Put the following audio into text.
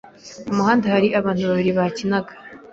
Mu muhanda hari abana babiri bakinaga.